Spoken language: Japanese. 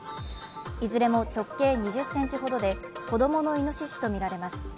いずれも直径２０センチほどで、子供のいのししとみられます。